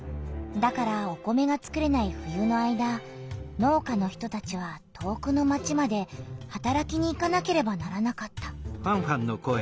だからお米がつくれない冬の間農家の人たちは遠くの町まではたらきに行かなければならなかった。